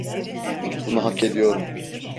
Bunu hak ediyorum.